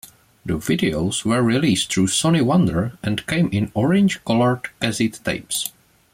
The videos were released through Sony Wonder and came in orange-colored cassette tapes.